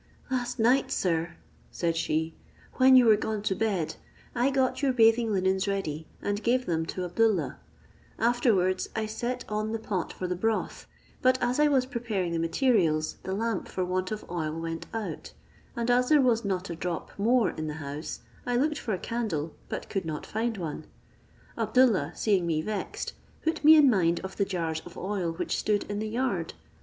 "Last night, sir," said she, "when you were gone to bed, I got your bathing linens ready, and gave them to Abdoollah; afterwards I set on the pot for the broth, but as I was preparing the materials, the lamp, for want of oil, went out; and as there was not a drop more in the house, I looked for a candle, but could not find one: Abdoollah seeing me vexed, put me in mind of the jars of oil which stood in the yard.